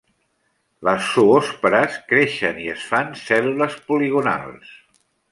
Les zoòspores creixen i es fan cèl·lules poligonals.